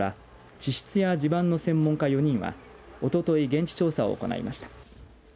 地質や地盤の専門家４人はおととい現地調査を行いました。